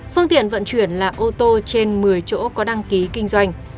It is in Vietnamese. phương tiện vận chuyển là ô tô trên một mươi chỗ có đăng ký kinh doanh